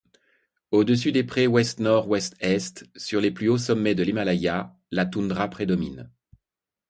Au-dessus des prés ouest-nord-ouest-est, sur les plus hauts sommets de l'Himalaya, la toundra prédomine.